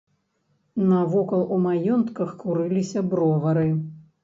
Навокал у маёнтках курыліся бровары.